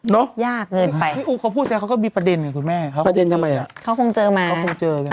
เนอะพี่อู๋เขาพูดแท้เขาก็มีประเด็นคุณแม่เขาคงเจอมา